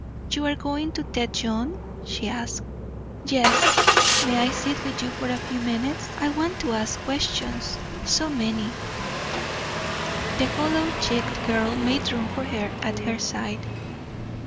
"You are going to Tête Jaune?" she asked. "Yes. May I sit with you for a few minutes? I want to ask questions so many!" The hollow cheeked girl made room for her at her side.